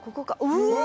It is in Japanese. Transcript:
うわ！